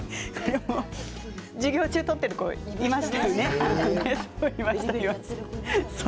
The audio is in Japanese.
授業中、取っている子いましたよね。